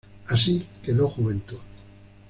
Así quedó Juventud.